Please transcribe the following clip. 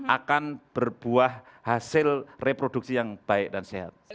akan berbuah hasil reproduksi yang baik dan sehat